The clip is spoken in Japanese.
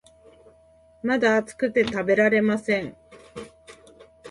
まだ熱くて食べられません